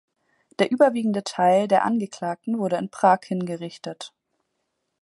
Der überwiegende Teil der Angeklagten wurde in Prag hingerichtet.